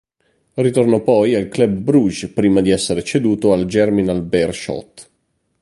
Ritornò poi al Club Bruges, prima di essere ceduto al Germinal Beerschot.